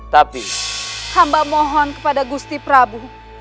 tapi hamba mohon kepada gusti prabu